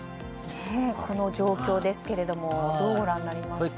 この状況ですがどうご覧になりますか？